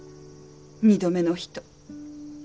２度目の人。